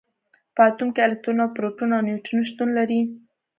په اتوم کې الکترون او پروټون او نیوټرون شتون لري.